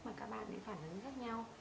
mà các bạn phải phản ứng khác nhau